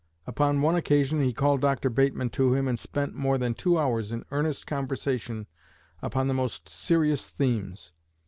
Upon one occasion he called Dr. Bateman to him, and spent more than two hours in earnest conversation upon the most serious themes.